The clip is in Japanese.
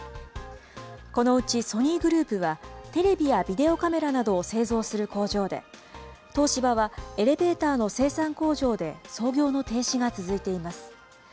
このうちソニーグループは、テレビやビデオカメラなどを製造する工場で、東芝はエレベーターの生産工場で操業の停止が続いています。